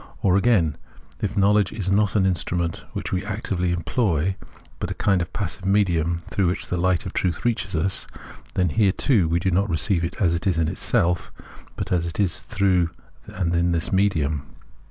Or, again, if knowledge is not an instrument wliich we actively employ, but a kind of passive medium through wliich the light of the truth reaches us, then here, too, we do not receive it as it is in itself, but as it is through and in this medium.